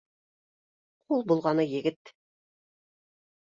Ҡул болғаны егет: